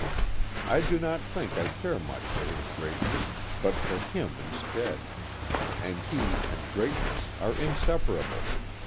I do not think I care much for his greatness, but for him instead and he and greatness are inseparable.